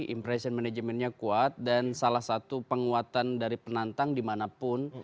impression managementnya kuat dan salah satu penguatan dari penantang dimanapun